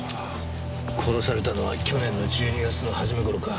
殺されたのは去年の１２月の初め頃か。